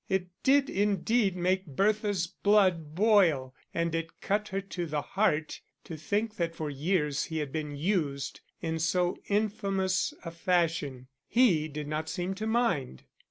It did indeed make Bertha's blood boil; and it cut her to the heart to think that for years he had been used in so infamous a fashion: he did not seem to mind.